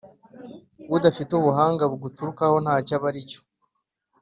Udafite Ubuhanga buguturukaho, nta cyo aba ari cyo.